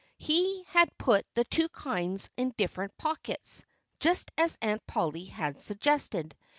He had put the two kinds in different pockets, just as Aunt Polly had suggested.